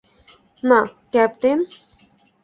না, ক্যাপ্টেন।